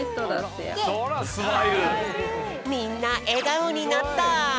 みんなえがおになった！